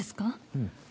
うん。